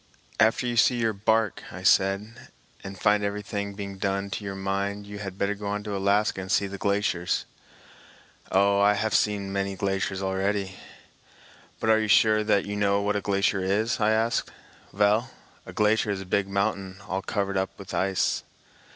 "After you see your bark," I said, "and find everything being done to your mind, you had better go on to Alaska and see the glaciers." "Oh, I haf seen many glaciers already." "But are you sure that you know what a glacier is?" I asked. "Vell, a glacier is a big mountain all covered up vith ice."